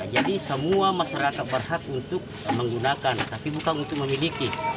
jadi semua masyarakat berhak untuk menggunakan tapi bukan untuk memiliki